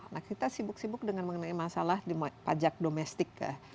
nah kita sibuk sibuk dengan mengenai masalah pajak domestik ya